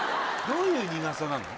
どういう苦さなの？